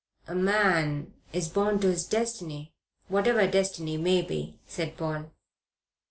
"A man is born to his destiny, whatever destiny may be," said Paul.